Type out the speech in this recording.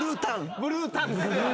ブルータン。